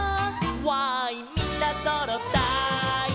「わーいみんなそろったい」